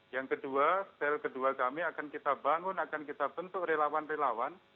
yang kedua stel kedua kami akan kita bangun akan kita bentuk relawan relawan